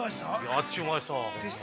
◆あっちゅう間です。